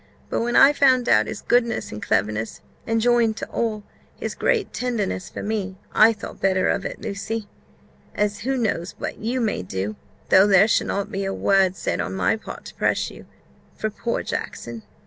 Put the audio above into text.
But when I found out his goodness and cleverness, and joined to all, his great tenderness for me, I thought better of it, Lucy (as who knows but you may do, though there shall not be a word said on my part to press you, for poor Jackson?)